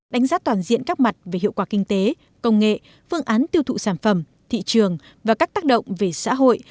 đánh giá toàn diện các mặt về hiệu quả kinh tế công nghệ phương án tiêu thụ sản phẩm thị trường và các tác động về xã hội